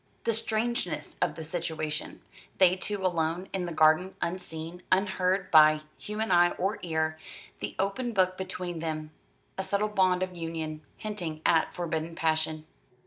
The strangeness of the situation: they two alone in the garden, unseen, unheard by human eye or ear; the open book between them a subtle bond of union hinting at forbidden passion.